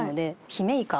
ヒメイカ？